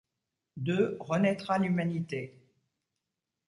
D'eux renaîtra l'humanité.